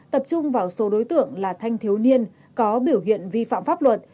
tập trung vào số đối tượng là thanh thiếu niên có biểu hiện vi phạm pháp luật